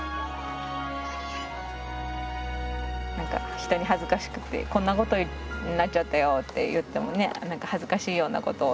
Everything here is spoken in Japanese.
何か人に恥ずかしくてこんなことになっちゃったよって言ってもね何か恥ずかしいようなことをね